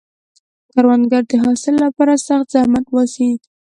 کروندګر د حاصل لپاره سخت زحمت باسي